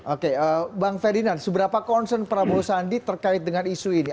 oke bang ferdinand seberapa concern prabowo sandi terkait dengan isu ini